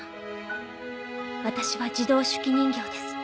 私は自動手記人形です。